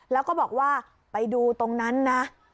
แล้วก็บอกว่าไปดูตรงนั้นนะ